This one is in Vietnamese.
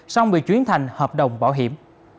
xong bị chuyển thành hợp đồng bảo hiểm